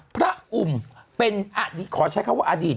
พระอุ่มเป็นขอใช้คำว่าอดีต